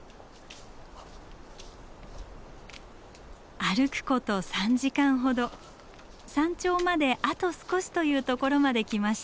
歩くこと３時間ほど山頂まであと少しというところまで来ました。